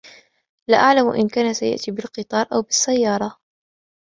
لا أعلم إن كان سيأتي بالقطار أو بالسيارة.